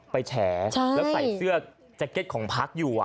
แฉแล้วใส่เสื้อแจ็คเก็ตของพักอยู่